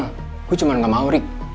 gue cuma gak mau rik